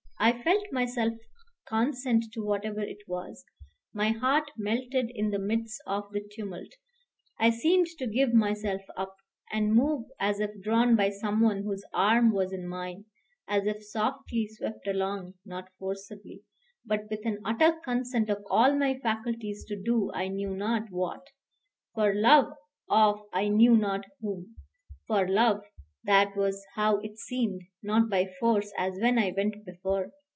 I felt myself consent to whatever it was. My heart melted in the midst of the tumult; I seemed to give myself up, and move as if drawn by some one whose arm was in mine, as if softly swept along, not forcibly, but with an utter consent of all my faculties to do I knew not what, for love of I knew not whom. For love, that was how it seemed, not by force, as when I went before.